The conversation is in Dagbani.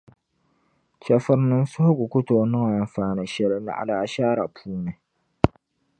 Chεfurinim’ suhigu ku tooi niŋ anfaani shεli naɣila ashaara puuni.